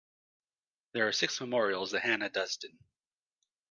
There are six memorials to Hannah Duston.